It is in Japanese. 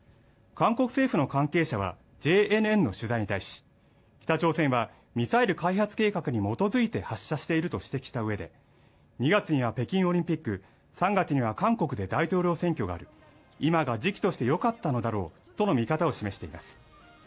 韓国政府の関係者はＪＮＮの取材に対し北朝鮮はミサイル開発計画に基づいて発射していると指摘したうえで２月には北京オリンピック３月には韓国で大統領選挙がある今が時期としてよかったのだろうとの見方を示しています